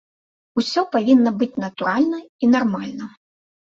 Усё павінна быць натуральна і нармальна.